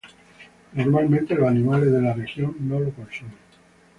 Normalmente los animales de la región no lo consumen.